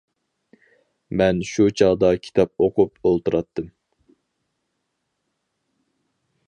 مەن شۇ چاغدا كىتاب ئوقۇپ ئولتۇراتتىم.